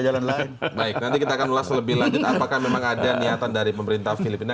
jalan lain baik nanti kita akan ulas lebih lanjut apakah memang ada niatan dari pemerintah filipina